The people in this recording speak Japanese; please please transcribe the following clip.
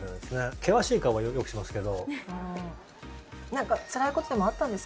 険しい顔はよくしますけど。